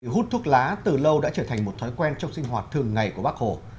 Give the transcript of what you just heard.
hút thuốc lá từ lâu đã trở thành một thói quen trong sinh hoạt thường ngày của bác hồ